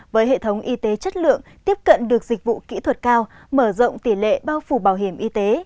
với hệ thống y tế chất lượng tiếp cận được dịch vụ kỹ thuật cao mở rộng tỷ lệ bao phủ bảo hiểm y tế